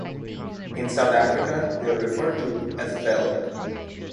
In South Africa they are referred to as veld.